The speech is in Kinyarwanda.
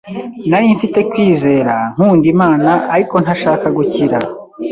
Nari mfite kwizera, nkunda Imana ariko ntashaka gukira.